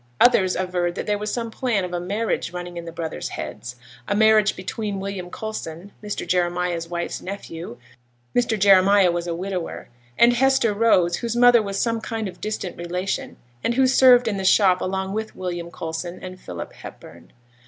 Others averred that there was some plan of a marriage running in the brothers' heads a marriage between William Coulson, Mr. Jeremiah's wife's nephew (Mr. Jeremiah was a widower), and Hester Rose, whose mother was some kind of distant relation, and who served in the shop along with William Coulson and Philip Hepburn.